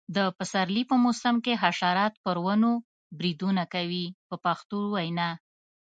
د پسرلي په موسم کې حشرات پر ونو بریدونه کوي په پښتو وینا.